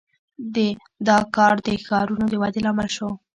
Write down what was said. • دا کار د ښارونو د ودې لامل شو.